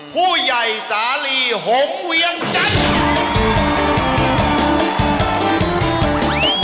ผู้ใหญ่สาลีหงเวียงจันทร์